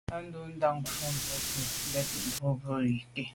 O, ndù nda’ fotmbwe nke mbèn mbwe ké.